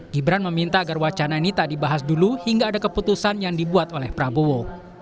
gibran meminta agar wacana ini tak dibahas dulu hingga ada keputusan yang dibuat oleh prabowo